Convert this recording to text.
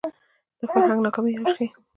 دا فرهنګ ناکامۍ اوج ښيي